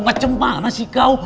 macem mana sih kau